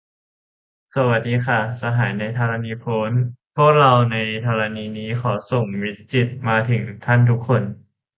สวัสดีค่ะ สหายในธรณีโพ้น พวกเราในธรณีนี้ ขอส่งมิตรจิตมาถึงท่านทุกคน